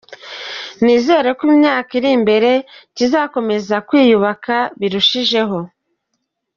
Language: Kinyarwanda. Nizeye ko imyaka iri imbere kizakomeza kwiyubaka birushijeho.